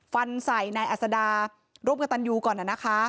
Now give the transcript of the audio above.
ฟันใส่นายอัศดาร่วมกับตันยูก่อนนะคะ